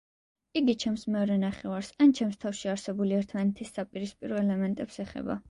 იგი ჩემს მეორე ნახევარს ან ჩემს თავში არსებული ერთმანეთის საპირისპირო ელემენტებს ეხება.